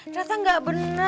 terasa enggak benar ya